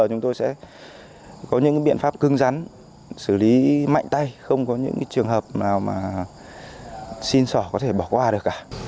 chúng tôi sẽ có những biện pháp cưng rắn xử lý mạnh tay không có những trường hợp nào mà xin sỏ có thể bỏ qua ai được cả